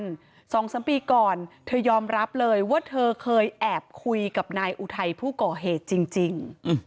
สองสามปีก่อนเธอยอมรับเลยว่าเธอเคยแอบคุยกับนายอุทัยผู้ก่อเหตุจริง